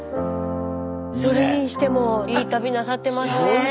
それにしてもいい旅なさってますね。